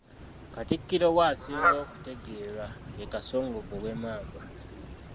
Katikkiro we asinga okutegeerwa ye Kasongovu ow'Emmamba.